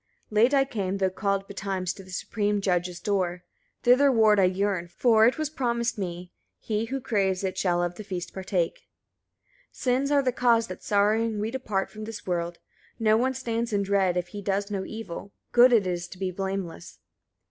29. Late I came, though called betimes, to the supreme Judge's door; thitherward I yearn; for it was promised me, he who craves it shall of the feast partake. 30. Sins are the cause that sorrowing we depart from this world: no one stands in dread, if he does no evil: good it is to be blameless.